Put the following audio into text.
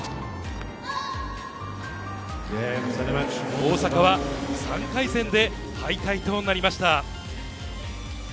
大坂は３回戦で敗退となりました。